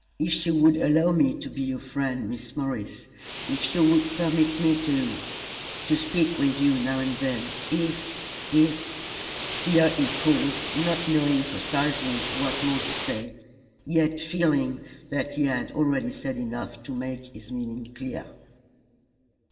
"If you would allow me to be your friend, Miss Morris if you would permit me to to speak with you now and then; if if " Here he paused, not knowing precisely what more to say, yet feeling that he had already said enough to make his meaning clear.